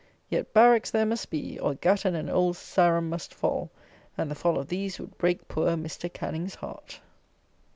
Yet, barracks there must be, or Gatton and Old Sarum must fall; and the fall of these would break poor Mr. Canning's heart.